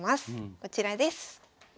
こちらです。